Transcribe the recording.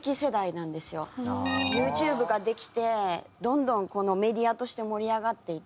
ＹｏｕＴｕｂｅができてどんどんメディアとして盛り上がっていって。